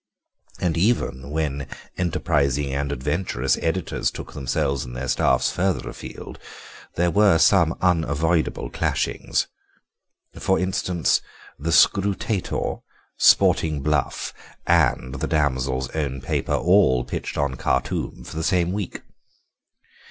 And even when enterprising and adventurous editors took themselves and their staffs further afield there were some unavoidable clashings. For instance, the Scrutator, Sporting Bluff, and The Damsels' Own Paper all pitched on Khartoum for the same week.